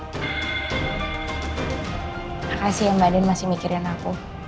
makasih mbak den masih mikirin aku